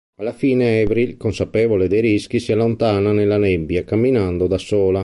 Alla fine Avril, consapevole dei rischi, si allontana nella nebbia, camminando da sola.